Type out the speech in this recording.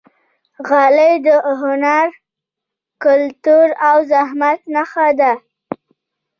غالۍ د هنر، کلتور او زحمت نښه ده.